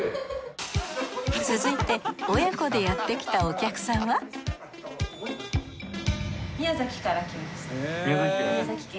続いて親子でやってきたお客さんは宮崎県？